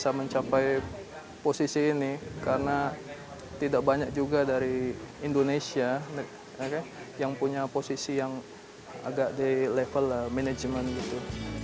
bisa mencapai posisi ini karena tidak banyak juga dari indonesia yang punya posisi yang agak di level manajemen gitu